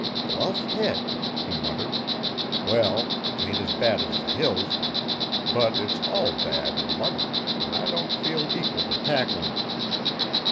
"Bluff Head!" he muttered; "well, 't ain't as bad as the Hills, but it's all bad an' muddlin', an' I don't feel equal t' tacklin' it.